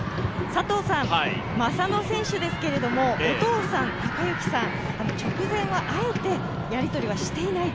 正野選手ですけれどもお父さん・貴幸さん直前は会えて、やり取りはしていないと。